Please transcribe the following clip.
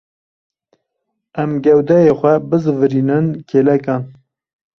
Em gewdeyê xwe bizîvirînin kêlekan.